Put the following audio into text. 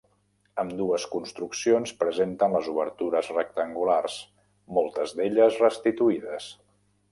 Ambdues construccions presenten les obertures rectangulars, moltes d'elles restituïdes.